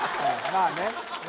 まあね